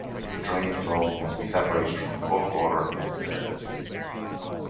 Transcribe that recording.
The drained foam must be separated from the bulk water and discarded.